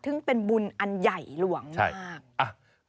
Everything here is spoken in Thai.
ซึ่งเป็นบุญอันใหญ่หลวงมาก